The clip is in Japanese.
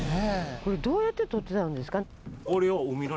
これどうやってとってたんですか？